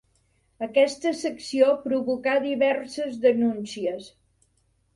Aquesta secció provocà diverses denúncies.